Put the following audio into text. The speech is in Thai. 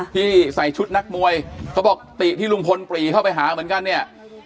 ที่ใส่ชุดนักมวยเขาบอกติที่ลุงพลปรีเข้าไปหาเหมือนกันเนี่ย